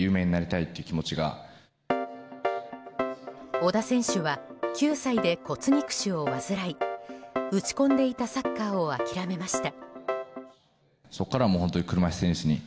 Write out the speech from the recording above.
小田選手は９歳で骨肉腫を患い打ち込んでいたサッカーを諦めました。